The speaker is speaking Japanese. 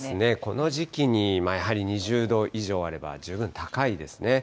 この時期にやはり２０度以上あれば、十分高いですね。